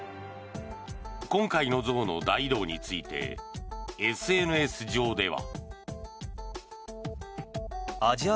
今回の象の大移動についてＳＮＳ上では。